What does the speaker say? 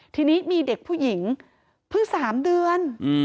ทีนี้มีเด็กผู้หญิงเพิ่ง๓เดือน